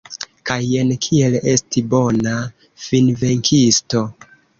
Kaj jen kiel esti bona finvenkisto.